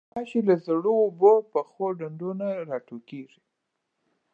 غوماشې له زړو اوبو، اوبو پخو ډنډو نه راټوکېږي.